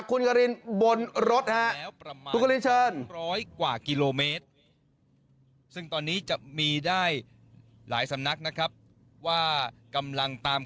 ขึ้นรถไปเลยตามไปเลยฮะคุณกะลิน